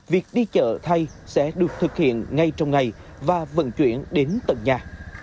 việc đi chợ thay sẽ được thực hiện ngay trong ngày và vận chuyển đến tầng nhà